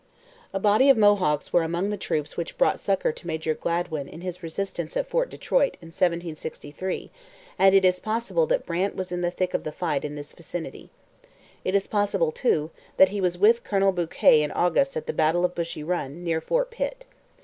A body of Mohawks were among the troops which brought succour to Major Gladwyn in his resistance at Fort Detroit in 1763, and it is possible that Brant was in the thick of the fight in this vicinity. It is possible, too, that he was with Colonel Bouquet in August at the battle of Bushy Run, near Fort Pitt.